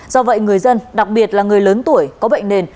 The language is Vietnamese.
do vậy người dân đặc biệt là người lớn tuổi có bệnh nền